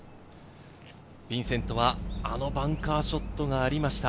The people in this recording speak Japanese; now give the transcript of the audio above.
ビンセントは、あのバンカーショットがありました。